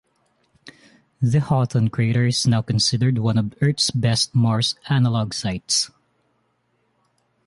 The Haughton crater is now considered one of Earth's best Mars analog sites.